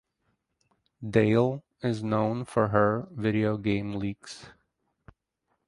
Dale is known for her videogame leaks.